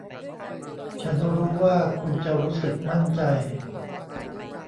ฉันรู้ว่าคุณจะรู้สึกมั่นใจ